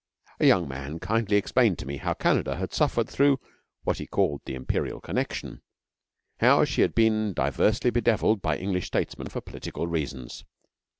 A young man kindly explained to me how Canada had suffered through what he called 'the Imperial connection'; how she had been diversely bedevilled by English statesmen for political reasons.